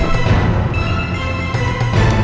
jangan lupa joko tingkir